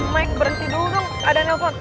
mike berhenti dulu dong ada nelpon